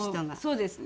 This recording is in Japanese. そうですね。